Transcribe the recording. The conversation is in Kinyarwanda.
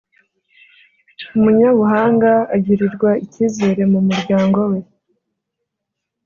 Umunyabuhanga agirirwa icyizere mu muryango we,